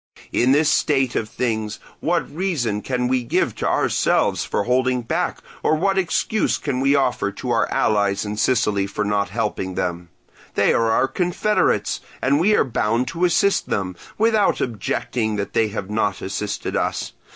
"In this state of things what reason can we give to ourselves for holding back, or what excuse can we offer to our allies in Sicily for not helping them? They are our confederates, and we are bound to assist them, without objecting that they have not assisted us.